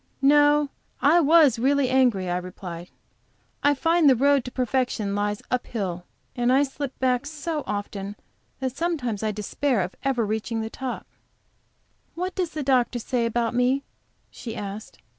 "No, I was really angry," I replied. "I find the road to perfection lies up hill, and I slip back so often that sometimes I despair of ever reaching the top." "What does the doctor say about me?" she asked.